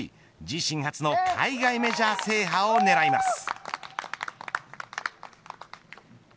自身初の海外メジャー制覇を狙います。